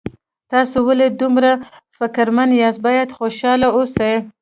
تاسو ولې دومره فکرمن یاست باید خوشحاله اوسئ